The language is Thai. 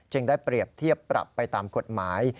ได้เปรียบเทียบปรับไปตามกฎหมาย